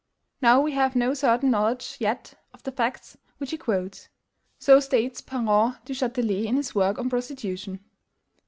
Now we have no certain knowledge yet of the facts which he quotes. So states Parent Duchatelet in his work on "Prostitution."